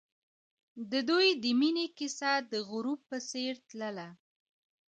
د دوی د مینې کیسه د غروب په څېر تلله.